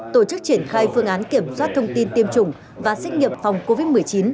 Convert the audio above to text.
tổ chức triển khai phương án kiểm soát thông tin tiêm chủng và xét nghiệm phòng covid một mươi chín